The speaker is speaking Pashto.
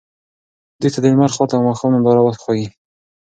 دوی ته د لمر خاته او ماښام ننداره وښایئ.